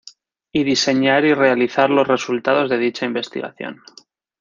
Y diseñar y realizar los resultados de dicha investigación.